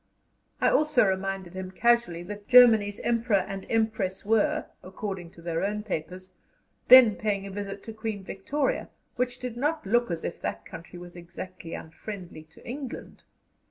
I also reminded him casually that Germany's Emperor and Empress were, according to their own papers, then paying a visit to Queen Victoria, which did not look as if that country was exactly unfriendly to England.